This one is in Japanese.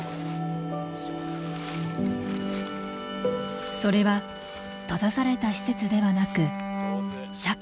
それは閉ざされた施設ではなく社会とのつながりの中。